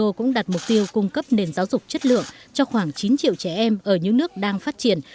tok cũng đặt mục tiêu cung cấp nền giáo dục chất lượng cho khoảng chín triệu trẻ em ở những nước đang phát triển